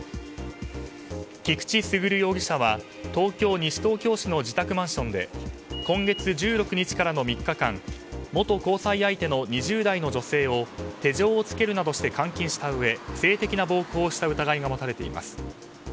菊地優容疑者は東京・西東京市の自宅マンションで今月１６日からの３日間元交際相手の２０代の女性を手錠をつけるなどして監禁したうえ、性的な暴行をした疑いが持たれています。